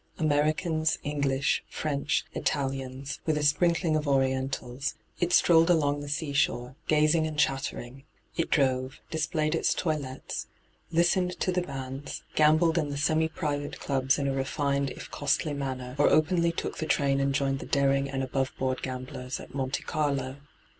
Americans, English, French, Italians, with a hyGoo>^lc ENTRAPPED 139 sprinkling of Orientals, it strolled along the seashore, gazing and chattering ; it drove, displayed its toilettes, listened to the bands, gambled in the Bemi private clubs in a refined if costly manner, or openly took the train and joined the daring and aboveboard gamblers at Monte Carlo.